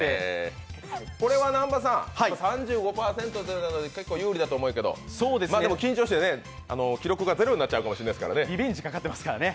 これは３５％というのは結構有利だと思うけどでも緊張して記録がゼロになっちゃうかもしれませんからね。